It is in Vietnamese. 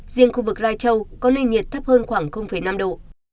riêng khu vực lai châu có nền nhiệt thấp hơn khoảng năm độ